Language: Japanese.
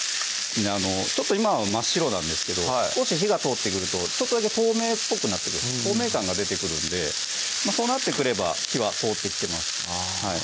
今は真っ白なんですけど少し火が通ってくるとちょっとだけ透明っぽくなってくる透明感が出てくるんでこうなってくれば火は通ってきてます